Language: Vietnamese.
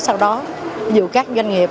sau đó dù các doanh nghiệp